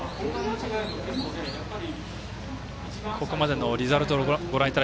ここまでのリザルトです。